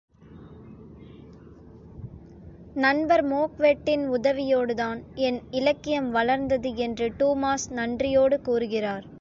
நண்பர் மோக்வெட்டின் உதவியோடுதான் என் இலக்கியம் வளர்ந்தது என்று டூமாஸ் நன்றியோடுகூறுகிறார்.